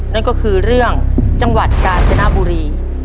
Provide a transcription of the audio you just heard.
นั่นก็คือเรื่องจังหวัดกาญจนบุรี